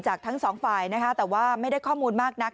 ทั้งสองฝ่ายนะคะแต่ว่าไม่ได้ข้อมูลมากนัก